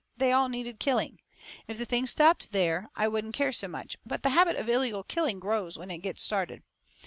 They all needed killing. If the thing stopped there I wouldn't care so much. But the habit of illegal killing grows when it gets started.